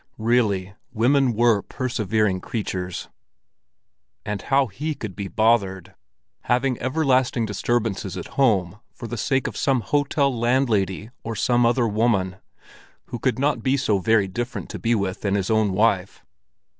Really women were persevering creatures! And how he could be bothered! Having everlasting disturbances at home for the sake of some hotel landlady or some other woman, who could not be so very different to be with than his own wife!